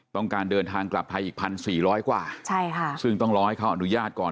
ต้องการเดินทางกลับไทยอีก๑๔๐๐กว่าใช่ค่ะซึ่งต้องรอให้เขาอนุญาตก่อน